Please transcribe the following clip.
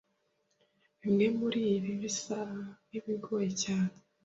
Bimwe muribi bisa nkibigoye cyane.